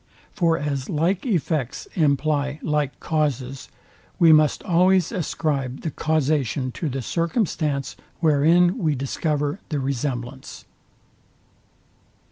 For as like effects imply like causes, we must always ascribe the causation to the circumstance, wherein we discover the resemblance.